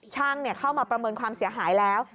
ช่างเข้ามาประเมินความเสียหายแล้ว